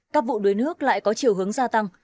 các vụ đuối nước lại có chiều hướng gia tăng